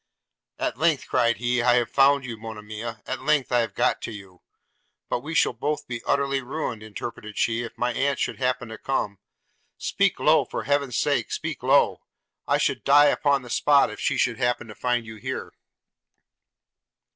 'At length,' cried he, 'I have found you, Monimia! at length I have got to you.' 'But we shall both be utterly ruined,' interrupted she, 'if my aunt should happen to come: speak low, for heaven's sake, speak low. I should die upon the spot, if she should happen to find you here.'